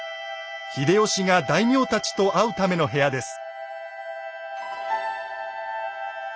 秀吉が大名たちと会うための部屋です。